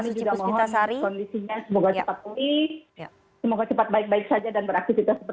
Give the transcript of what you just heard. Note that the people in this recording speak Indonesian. suci puspita sari semoga cepat pulih semoga cepat baik baik saja dan beraktivitas seperti biasa